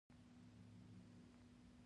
افریقایان د استوایي هوا سره ښه جوړجاړی درلود.